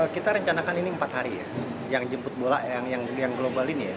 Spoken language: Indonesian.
kita rencanakan ini empat hari ya yang jemput bola yang global ini ya